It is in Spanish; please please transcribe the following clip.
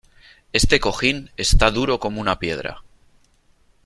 Este cojín está duro como una piedra.